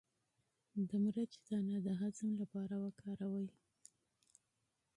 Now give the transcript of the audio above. د مرچ دانه د هضم لپاره وکاروئ